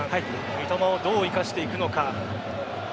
三笘をどう生かしていくのか。